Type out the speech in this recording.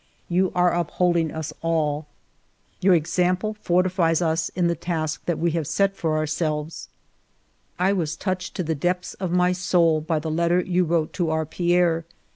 You are uphold ALFRED DREYFUS 165 ing us all. Your example fortifies us in the task that we have set for ourselves. ..." I was touched to the depths of my soul by the letter you wrote to our Pierre.